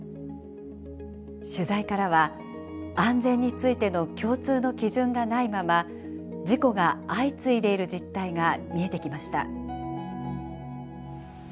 取材からは安全についての共通の基準がないまま事故が相次いでいる実態が見えてきました。